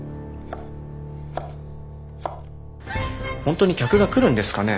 本当に客が来るんですかね